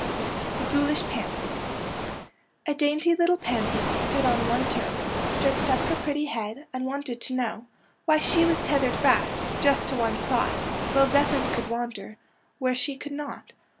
THE FOOLISH PANSY A dainty little pansy Stood on one toe, Stretched up her pretty head, And wanted to know Why she was tethered fast, Just to one spot, While zephyrs could wander Where she could not.